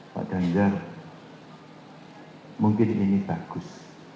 pak ganjar mungkin ini bagus